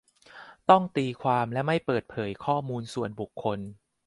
ต้องตีความ และ ไม่เปิดเผยข้อมูลส่วนบุคคล